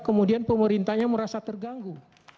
kemudian pemerintahnya merasa terganggu